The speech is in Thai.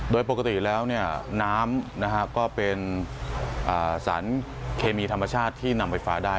โดยปกติแล้วน้ำก็เป็นสารเคมีธรรมชาติที่นำไฟฟ้าได้